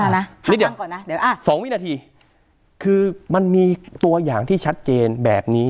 นี่เดี๋ยว๒วินาทีคือมันมีตัวอย่างที่ชัดเจนแบบนี้